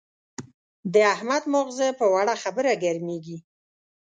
د احمد ماغزه په وړه خبره ګرمېږي.